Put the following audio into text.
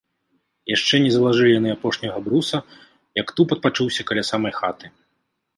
Яшчэ не залажылі яны апошняга бруса, як тупат пачуўся каля самай хаты.